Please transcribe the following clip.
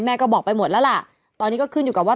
ก็บอกไปหมดแล้วล่ะตอนนี้ก็ขึ้นอยู่กับว่า